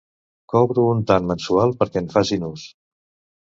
Cobro un tant mensual perquè en facin ús.